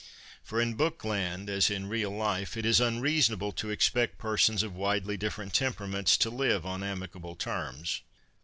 For in Bookland, as in real life, it is unreasonable to expect persons of widely different temperaments to live on amicable terms.